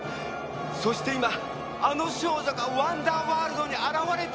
そして今あの少女がワンダーワールドに現れたんだ。